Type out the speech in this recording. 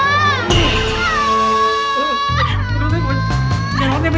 อย่าร้องได้ไหม